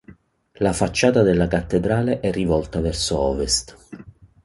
La facciata della cattedrale è rivolta verso ovest.